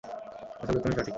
আসলে, তুমিই ঠিক।